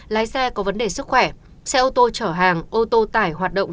lái xe có vấn đề sức khỏe xe ô tô chở hàng ô tô tải hoạt động